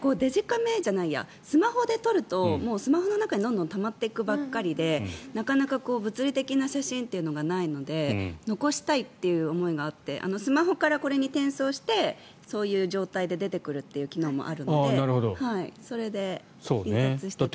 やっぱりスマホで撮るとスマホの中にどんどんたまっていくばっかりでなかなか物理的な写真というのがないので残したいという思いがあってスマホからこれに転送してそういう状態で出てくるという機能もあるのでそれで印刷して使ってます。